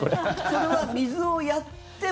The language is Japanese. それは水をやっても。